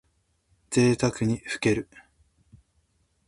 ぜいたくにふける。